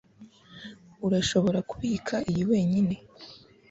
Urashobora kubika iyi wenyine.